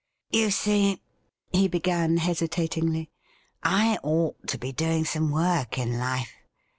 ''' You see,' he began hesitatingly, ' I ought to be doing some work in life.